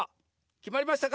きまりましたか？